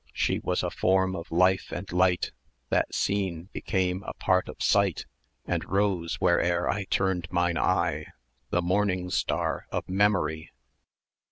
She was a form of Life and Light, That, seen, became a part of sight; And rose, where'er I turned mine eye, The Morning star of Memory!